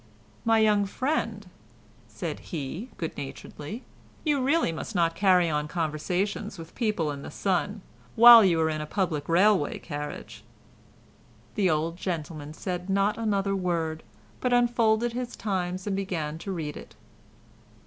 "My young friend," said he, good naturedly, "you really must not carry on conversations with people in the sun, while you are in a public railway carriage." The old gentleman said not another word, but unfolded his Times and began to read it.